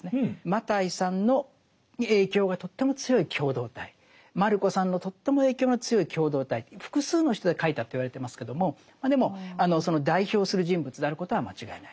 マタイさんの影響がとっても強い共同体マルコさんのとっても影響の強い共同体複数の人で書いたと言われてますけどもでもその代表する人物であることは間違いない。